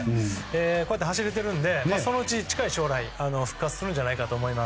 こうやって走れてるのでそのうち近い将来復活するんじゃないかと思います。